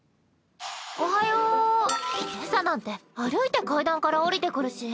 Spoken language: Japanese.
おはよう今朝なんて歩いて階段から下りてくるし。